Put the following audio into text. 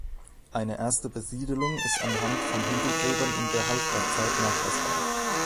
Eine erste Besiedelung ist anhand von Hügelgräbern in der Hallstattzeit nachweisbar.